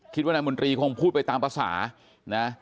คิดว่านายมนตรีคงพูดไปตามภาษานะ